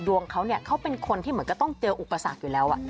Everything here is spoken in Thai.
ดวงเขาเนี่ยเขาเป็นคนที่เหมือนก็ต้องเจออุปสรรคอยู่แล้ว